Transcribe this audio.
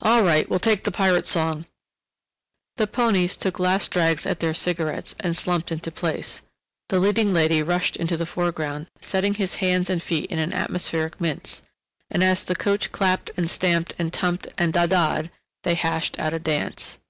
"All right. We'll take the pirate song." The ponies took last drags at their cigarettes and slumped into place; the leading lady rushed into the foreground, setting his hands and feet in an atmospheric mince; and as the coach clapped and stamped and tumped and da da'd, they hashed out a dance.